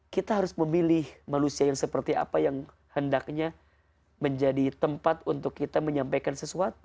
kita harus memilih manusia yang seperti apa yang hendaknya menjadi tempat untuk kita menyampaikan sesuatu